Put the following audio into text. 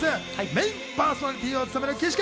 メインパーソナリティーを務める岸君。